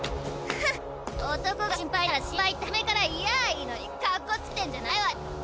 フンッ男が心配なら心配って初めから言やあいいのにかっこつけてんじゃないわよ。